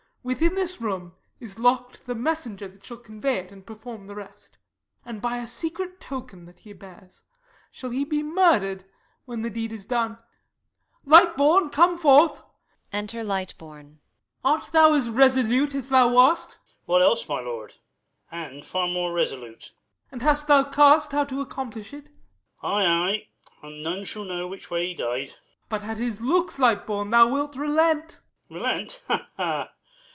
Within this room is lock'd the messenger That shall convey it, and perform the rest; And, by a secret token that he bears, Shall he be murder'd when the deed is done. Lightborn, come forth! Enter LIGHTBORN. Art thou so resolute as thou wast? Light. What else, my lord? and far more resolute. Y. Mor. And hast thou cast how to accomplish it? Light. Ay, ay; and none shall know which way he died. Y. Mor. But at his looks, Lightborn, thou wilt relent. Light. Relent! ha, ha!